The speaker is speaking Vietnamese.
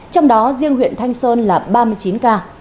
trong đó riêng huyện thanh sơn là ba mươi chín ca